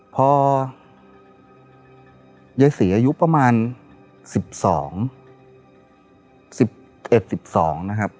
พ่อยายสีอายุประมาณสิบสองสิบเอ็ดสิบสองนะครับ